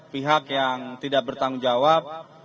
pihak yang tidak bertanggung jawab